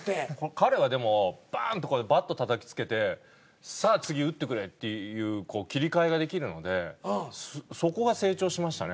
彼はでもバン！とバットたたきつけてさあ次打ってくれっていう切り替えができるのでそこが成長しましたね。